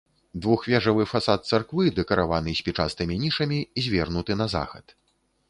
Двухвежавы фасад царквы, дэкараваны спічастымі нішамі, звернуты на захад.